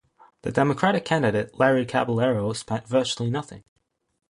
The Democratic candidate, Larry Caballero, spent virtually nothing.